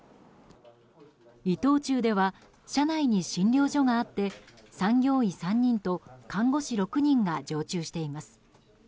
伊藤忠では社内に診療所があって産業医３人と看護師６人が常駐しています。